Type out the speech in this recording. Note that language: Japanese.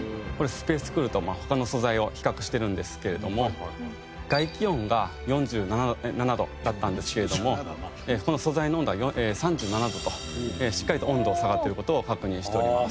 ＳＰＡＣＥＣＯＯＬと他の素材を比較してるんですけれども外気温が４７度だったんですけれどもこの素材の温度は３７度としっかりと温度が下がってる事を確認しております。